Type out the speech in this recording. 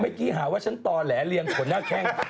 เมื่อกี้หาว่าฉันต่อแหลเรียงผลหน้าแข้ง